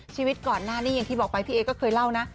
ชีวิตก่อนหน้านี้อย่างที่บอกไปพี่เอก็เคยเล่านะ